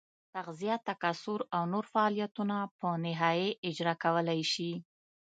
تغذیه، تکثر او نور فعالیتونه په تنهایي اجرا کولای شي.